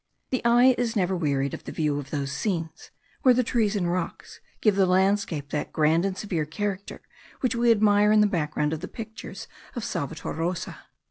The eye is never wearied of the view of those scenes, where the trees and rocks give the landscape that grand and severe character which we admire in the background of the pictures of Salvator Rosa.